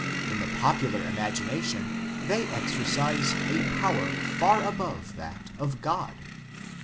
In the popular imagina tion they exercise a power far above that of God."